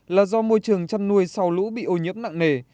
là do môi trường chăn nuôi sau lũ bị ô nhiễm nặng nề